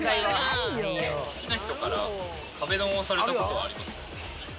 好きな人から壁ドンをされたことはありますか？